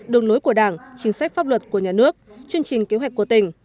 đường lối của đảng chính sách pháp luật của nhà nước chương trình kế hoạch của tỉnh